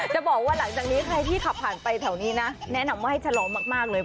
จะบอกว่าหลังจากนี้ใครที่ขับผ่านไปแถวนี้นะแนะนำว่าให้ชะลอมากเลย